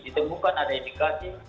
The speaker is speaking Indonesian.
ditemukan ada indikasi